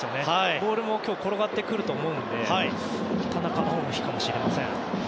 ボールも転がってくると思うので田中碧の日かもしれません。